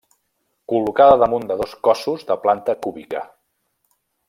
Col·locada damunt de dos cossos de planta cúbica.